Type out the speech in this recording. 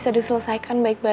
ambil berkata ibu